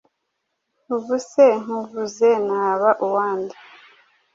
ubuse nkubuze naba uwande